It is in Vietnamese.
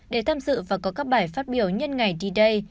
để tham dự và có các bài phát biểu nhân ngày d day